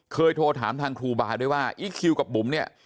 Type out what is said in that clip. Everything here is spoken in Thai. เคยโทรถามทางครูบาด้วยว่าอีคคิวกับบุ๋มเนี่ย